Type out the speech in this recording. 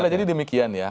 boleh jadi demikian ya